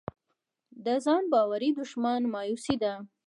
د ځان باورۍ دښمن مایوسي ده.